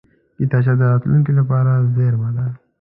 کتابچه د راتلونکې لپاره زېرمه ده